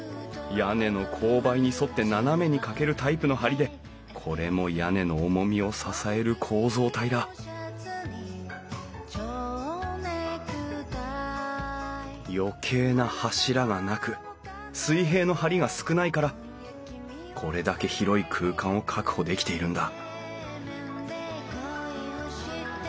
屋根の勾配に沿って斜めにかけるタイプの梁でこれも屋根の重みを支える構造体だ余計な柱がなく水平の梁が少ないからこれだけ広い空間を確保できているんだ